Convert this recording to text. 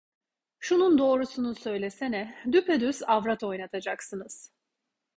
Şunun doğrusunu söylesene, düpe düz avrat oynatacaksınız.